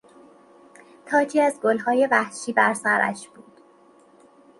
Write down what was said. تاجی از گلهای وحشی بر سرش بود.